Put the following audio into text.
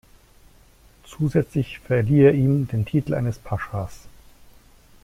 Zusätzlich verlieh er ihm den Titel eines Paschas.